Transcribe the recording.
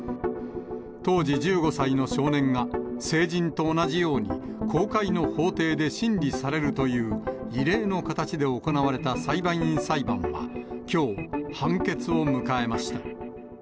当時１５歳の少年が、成人と同じように、公開の法廷で審理されるという、異例の形で行われた裁判員裁判は、きょう判決を迎えました。